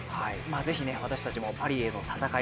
ぜひ私たちもパリへの戦い